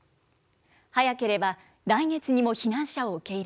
早ければ来月にも避難者を受け入